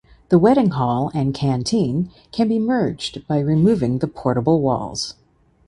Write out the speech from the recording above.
The wedding hall and canteen can be merged by removing the portable walls.